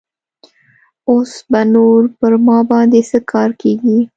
اوس به نور پر ما باندې څه کار کيږي.